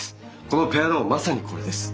このペアローンまさにこれです。